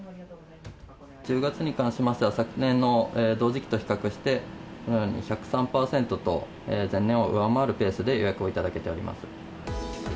１０月に関しましては、昨年の同時期と比較して、このように、１０３％と、前年を上回るペースで予約をいただけております。